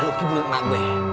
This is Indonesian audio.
lo kiburun emak gue